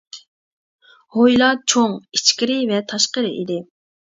ھويلا چوڭ، ئىچكىرى ۋە تاشقىرى ئىدى.